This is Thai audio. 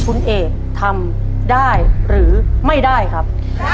คุณเอกทำได้หรือไม่ได้ครับ